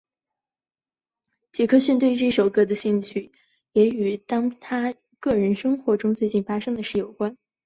杰克逊对这首歌的兴趣也与当时他个人生活中最近发生的事有关。